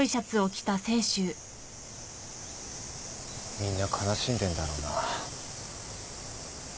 みんな悲しんでんだろうな。